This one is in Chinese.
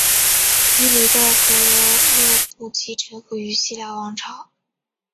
伊犁的葛逻禄部即臣服于西辽王朝。